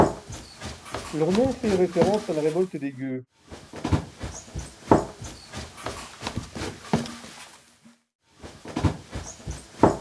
Leur nom fait référence à la révolte des Gueux.